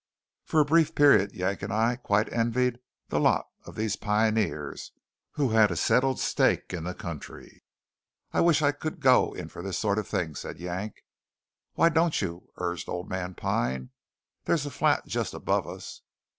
For a brief period Yank and I quite envied the lot of these pioneers who had a settled stake in the country. "I wish I could go in for this sort of thing," said Yank. "Why don't you?" urged old man Pine. "There's a flat just above us."